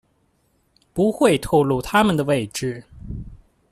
不会透漏他们的位置